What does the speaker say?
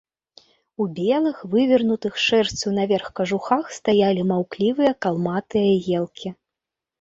У белых вывернутых шэрсцю наверх кажухах стаялі маўклівыя калматыя елкі.